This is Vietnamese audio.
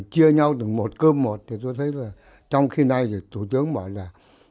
chia nhau từng một cơm một thì tôi thấy là trong khi này thì thủ tướng bảo là